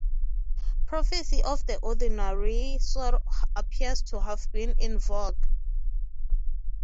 Prophecy of the ordinary sort appears to have been in vogue.